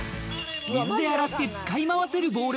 水で洗って使い回せるボール。